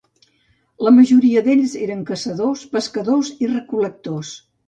La majoria d'ells eren caçadors, pescadors i recol·lectors.